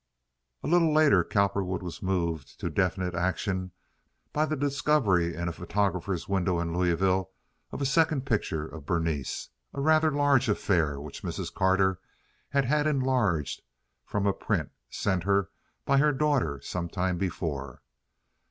A little later Cowperwood was moved to definite action by the discovery in a photographer's window in Louisville of a second picture of Berenice—a rather large affair which Mrs. Carter had had enlarged from a print sent her by her daughter some time before.